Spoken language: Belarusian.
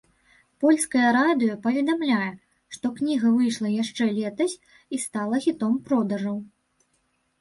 Польскае радыё паведамляе, што кніга выйшла яшчэ летась і стала хітом продажаў.